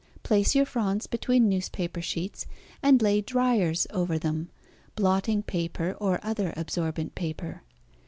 Place your fronds between newspaper sheets and lay "dryers" over them (blotting paper or other absorbent paper).